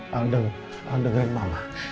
mama dengerin mama